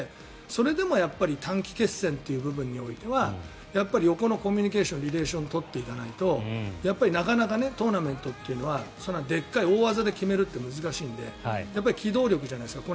それでもやっぱり短期決戦という部分においては横のコミュニケーションリレーションを取っていかないとなかなかトーナメントというのはでかい大技で決めるって難しいので機動力じゃないですか。